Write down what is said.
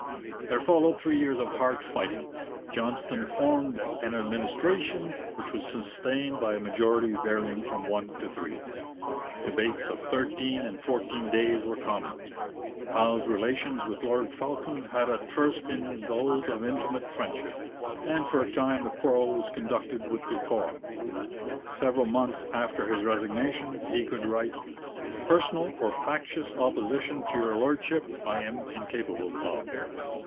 There followed three years of hard fighting. Johnston formed an administration, which was sustained by a majority varying from one to three. Debates of thirteen and fourteen days were common. Howe's relations with Lord Falkland had at first been those of intimate friendship, and for a time the quarrel was conducted with decorum. Several months after his resignation he could write, 'personal or factious opposition to your Lordship I am incapable of.'